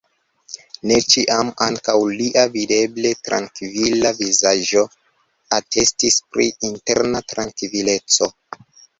Ne ĉiam ankaŭ lia videble trankvila vizaĝo atestis pri interna trankvileco.